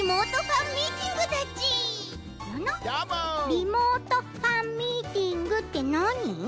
リモートファンミーティングってなに？